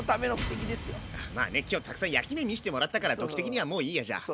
まあね今日たくさん焼き目見してもらったからドッキー的にはもういいやじゃあ。